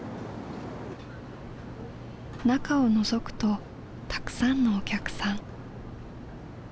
中をのぞくとたくさんのお客さん。